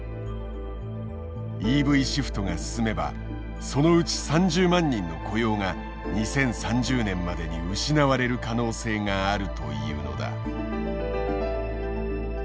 ＥＶシフトが進めばそのうち３０万人の雇用が２０３０年までに失われる可能性があるというのだ。